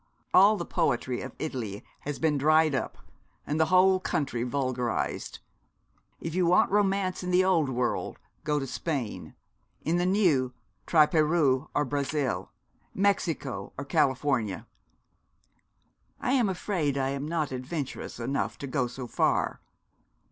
All the poetry of Italy has been dried up, and the whole country vulgarised. If you want romance in the old world go to Spain; in the new, try Peru or Brazil, Mexico or California.' 'I am afraid I am not adventurous enough to go so far.'